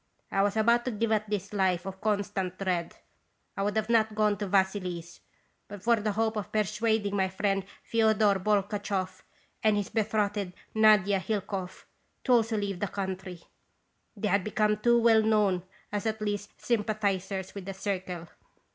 I was about to give up this life of constant dread. I would not have gone to Vassily 's but for the hope of persuading my friend F6odor Bolchakoff and his betrothed, Nadia Hilkoff, to also leave the country. They had become too well known as at least 'sympathizers' with the Circle.